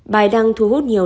bài đăng thu hút nhiều